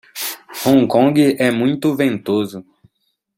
Hong Kong é muito ventoso